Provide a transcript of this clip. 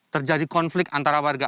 terjadi konflik antara warga